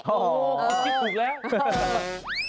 โอ้โหคุณคิดถูกแล้ว